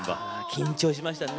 緊張しましたね。